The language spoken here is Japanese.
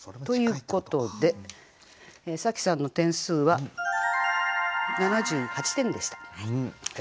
ということで紗季さんの点数は７８点でした。